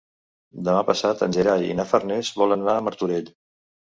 Demà passat en Gerai i na Farners volen anar a Martorell.